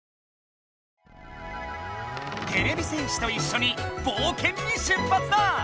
てれび戦士といっしょにぼうけんに出発だ！